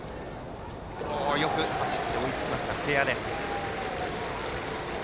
よく走って追いつきました瀬谷です。